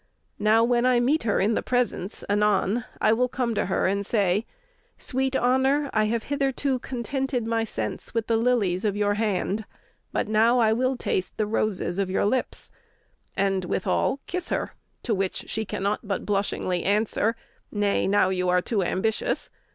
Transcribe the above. Now, when I meet her in the presence, anon, I will come to her and say, 'Sweet Honor, I have hitherto contented my sense with the lilies of your hand, but now I will taste the roses of your lips;' and, withal, kiss her; to which she cannot but blushingly answer, 'Nay, now you are too ambitious.